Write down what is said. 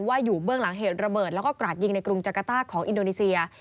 อยู่เบื้องหลังเหตุระเบิดแล้วก็กราดยิงในกรุงจักรต้าของอินโดนีเซีย